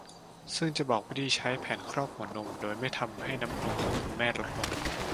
ซึ่งจะบอกวิธีใช้แผ่นครอบหัวนมโดยไม่ทำให้น้ำนมของคุณแม่ลดลง